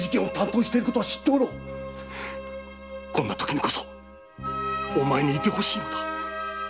こんなときにこそお前に居てほしいのだ。